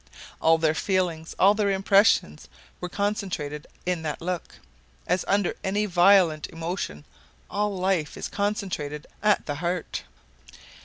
All their feelings, all their impressions, were concentrated in that look, as under any violent emotion all life is concentrated at the heart.